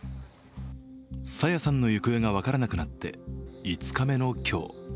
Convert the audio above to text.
朝芽さんの行方が分からなくなって５日目の今日。